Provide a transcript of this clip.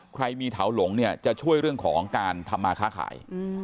ใครมีเถาหลงเนี่ยจะช่วยเรื่องของการทำมาค้าขาย